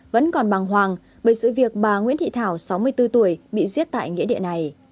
vẫn còn bàng hoàng bởi sự việc bà nguyễn thị thảo sáu mươi bốn tuổi bị giết tại nghĩa địa này